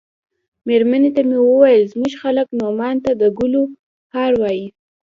مېرمنې ته مې ویل زموږ خلک لغمان ته د ګلو هار وايي.